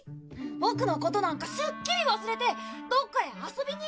ボクのことなんかすっきり忘れてどっかへ遊びに行っておいでよ。